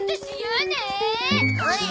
おい！